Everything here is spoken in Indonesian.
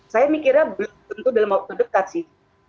saya mikirnya belum tentu dalam waktu dekat sih